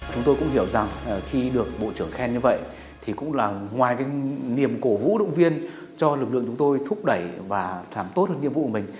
chúng tôi cũng hiểu rằng khi được bộ trưởng khen như vậy thì cũng là ngoài cái niềm cổ vũ động viên cho lực lượng chúng tôi thúc đẩy và làm tốt hơn nhiệm vụ của mình